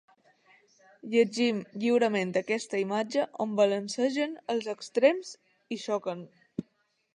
Llegim lliurement aquesta imatge on balancegen els extrems i xoquen.